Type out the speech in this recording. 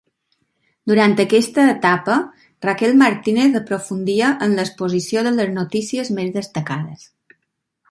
Durant aquesta etapa, Raquel Martínez aprofundia en l'exposició de les notícies més destacades.